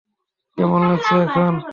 কেমন লাগছে এখন?